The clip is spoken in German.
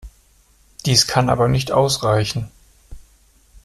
Dies kann aber nicht ausreichen.